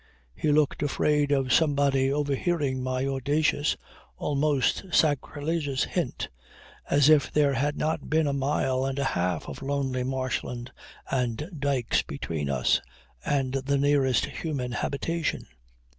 He looked afraid of somebody overhearing my audacious almost sacrilegious hint as if there had not been a mile and a half of lonely marshland and dykes between us and the nearest human habitation.